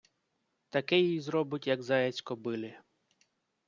Таке їй зробить, як заяць кобилі.